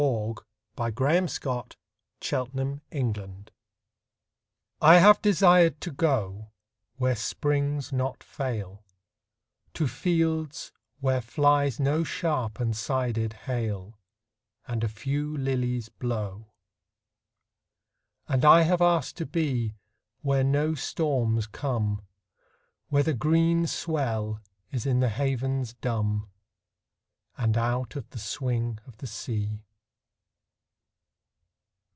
116 R. A! HOPWOOD I HAVE DESIRED TO GO I HAVE desired to go Where springs not fail, To fields where flies no sharp and sided hail, And a few lilies blow. And I have asked to be Where no storms come, Where the green swell is in the havens dumb, And out of the swing of the sea.